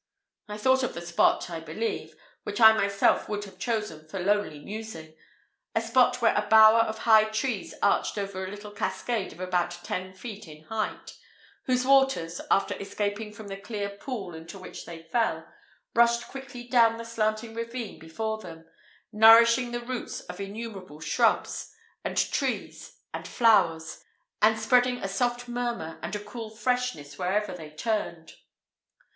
I thought of the spot, I believe, which I myself would have chosen for lonely musing a spot where a bower of high trees arched over a little cascade of about ten feet in height, whose waters, after escaping from the clear pool into which they fell, rushed quickly down the slanting ravine before them, nourishing the roots of innumerable shrubs, and trees, and flowers, and spreading a soft murmur and a cool freshness wherever they turned.